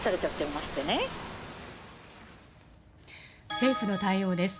政府の対応です。